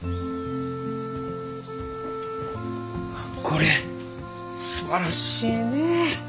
これすばらしいね。